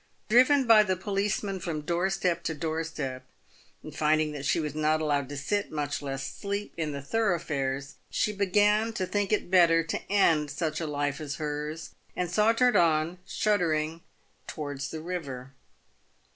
Driven by the policemen from door step to door step, and finding that she was not allowed to sit, much less sleep, in the thoroughfares, she began to think it better to end such a life as hers, and sauntered on, shuddering, to wards the river.